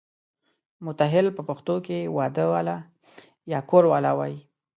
متاهل په پښتو کې واده والا یا کوروالا وایي.